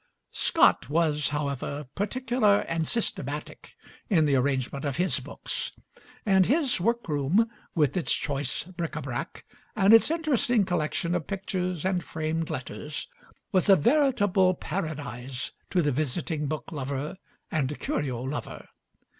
Scott, was, however, particular and systematic in the arrangement of his books, and his work room, with its choice bric a brac and its interesting collection of pictures and framed letters, was a veritable paradise to the visiting book lover and curio lover.